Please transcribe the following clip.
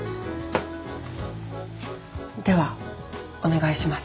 ではお願いします。